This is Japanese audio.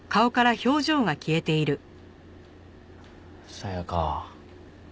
さやか。